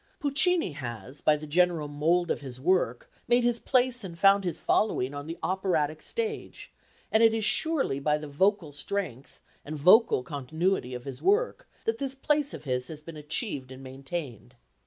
Puccini has by the general mould of his work made his place and found his following on the operatic stage, and it is surely by the vocal strength and vocal continuity of his work that this place of his has been achieved and maintained.